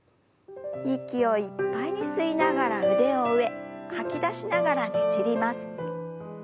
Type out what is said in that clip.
息をいっぱいに吸いながら腕を上吐き出しながらねじります。